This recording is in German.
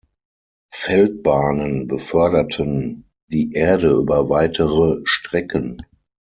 Feldbahnen beförderten die Erde über weitere Strecken.